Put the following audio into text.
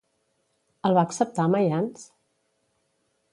El va acceptar Mayans?